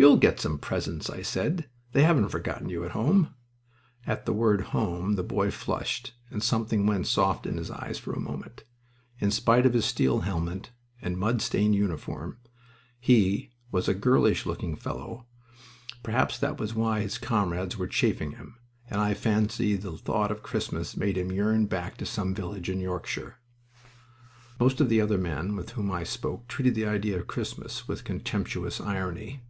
"You'll get some presents," I said. "They haven't forgotten you at home." At that word "home" the boy flushed and something went soft in his eyes for a moment. In spite of his steel helmet and mud stained uniform, he was a girlish looking fellow perhaps that was why his comrades were chaffing him and I fancy the thought of Christmas made him yearn back to some village in Yorkshire. Most of the other men with whom I spoke treated the idea of Christmas with contemptuous irony.